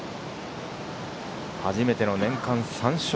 初めての年間３勝。